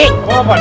kok apa d